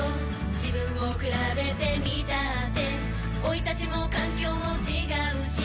自分を比べてみたって生い立ちも環境も違うし